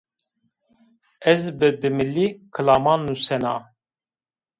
Ez bi dimilî kilaman nusena.